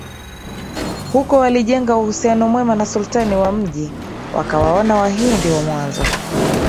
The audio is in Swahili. Huko walijenga uhusiano mwema na sultani wa mji wakawaona Wahindi wa mwanzo